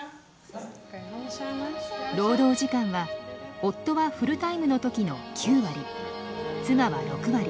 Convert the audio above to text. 労働時間は夫はフルタイムの時の９割妻は６割。